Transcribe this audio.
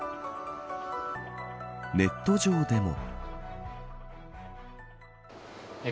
ネット上でも。